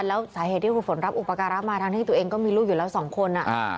แล้วสาเหตุที่ครูฝนรับอุปการะมาทั้งที่ตัวเองก็มีลูกอยู่แล้วสองคน